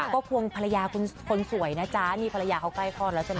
ก็ควงภรรยาคนสวยน่ะจ๊ะนี่ภรรยาเขาใกล้พอแล้วจริง